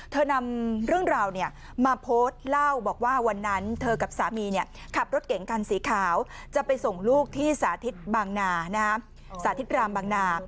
เธอนำเรื่องราวเนี้ยมาโพสต์เล่าบอกว่าวันนั้นเธอกับสามีเนี้ยขับรถเก๋งคันสีขาวจะไปส่งลูกที่สาธิตบางนานะฮะ